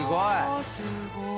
あすごい！